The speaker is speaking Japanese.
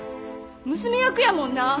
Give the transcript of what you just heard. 娘役やもんな。